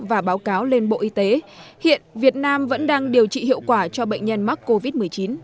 và báo cáo lên bộ y tế hiện việt nam vẫn đang điều trị hiệu quả cho bệnh nhân mắc covid một mươi chín